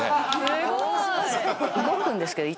すごい！